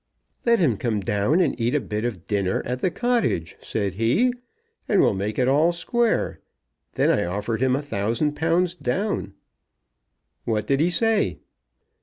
"'Let him come down and eat a bit of dinner at the cottage,' said he, 'and we'll make it all square.' Then I offered him a thousand pounds down." "What did he say?"